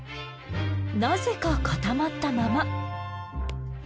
なぜか固まったまま。